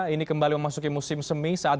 ini kembali memasuki musim semi saat